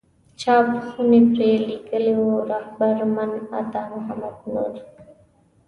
چاپ خونې پرې لیکلي وو رهبر من عطا محمد نور.